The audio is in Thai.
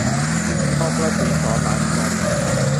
ทองประศรีสอนหลานชำนาญมา